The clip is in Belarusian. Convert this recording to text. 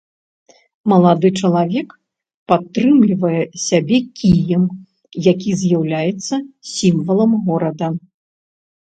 Малады чалавек падтрымлівае сябе кіем, які з'яўляецца сімвалам горада.